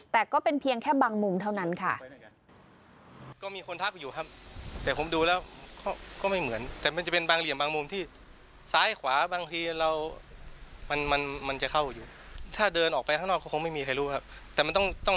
แต่ก็เป็นเพียงแค่บางมุมเท่านั้นค่ะ